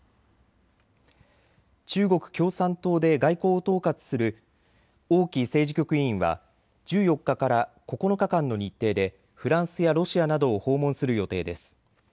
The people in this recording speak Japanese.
中国共産党で外交を統括する王毅政治局委員は１４日から９日間の日程でフランスやロシアなどを訪問する予定です。